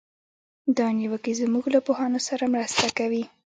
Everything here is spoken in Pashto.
دا نیوکې زموږ له پوهانو سره مرسته کوي.